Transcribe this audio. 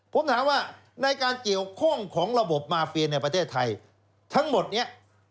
ผมถามว่าในการเกี่ยวข้องของระบบมาเฟียในประเทศไทยทั้งหมดนี้